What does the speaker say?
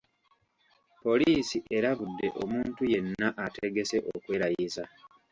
Poliisi erabudde omuntu yenna ategese okwerayiza